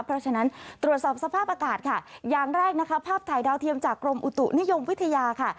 เพราะฉะนั้นตรวจสอบสภาพอากาศค่ะอย่างแรกนะคะภาพถ่ายดาวเทียมจากกรมอุตุนิยมวิทยาค่ะ